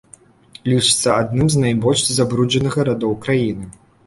Лічыцца адным з найбольш забруджаных гарадоў краіны.